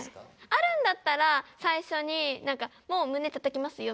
あるんだったら最初になんか「もう胸たたきますよ」